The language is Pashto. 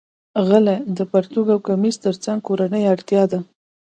غلۍ د پرتوګ او کمیس تر څنګ کورنۍ اړتیا ده.